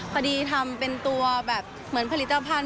พอดีทำเป็นตัวแบบเหมือนผลิตภัณฑ